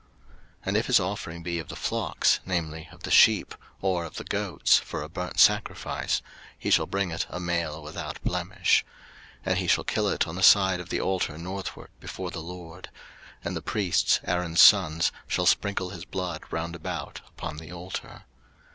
03:001:010 And if his offering be of the flocks, namely, of the sheep, or of the goats, for a burnt sacrifice; he shall bring it a male without blemish. 03:001:011 And he shall kill it on the side of the altar northward before the LORD: and the priests, Aaron's sons, shall sprinkle his blood round about upon the altar.